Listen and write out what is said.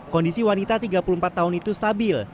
kondisi wanita tiga puluh empat tahun itu stabil